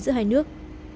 giữa hai nước